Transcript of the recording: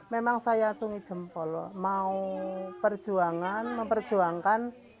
memang saya cungi jempol mau perjuangan memperjuangkan